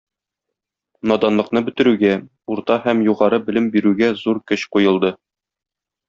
Наданлыкны бетерүгә, урта һәм югары белем бирүгә зур көч куелды.